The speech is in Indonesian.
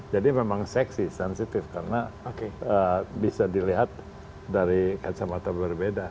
jadi memang seksis sensitif karena bisa dilihat dari kacamata berbeda